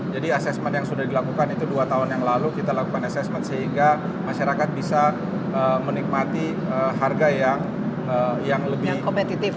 jadi assessment yang sudah dilakukan itu dua tahun yang lalu kita lakukan assessment sehingga masyarakat bisa menikmati harga yang lebih kompetitif